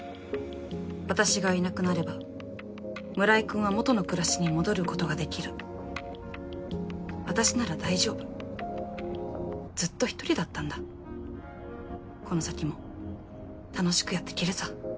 私がいなくなれば村井君は元の暮らしに戻ることができる私なら大丈夫ずっと１人だったんだこの先も楽しくやっていけるさ